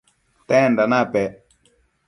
tenda napec?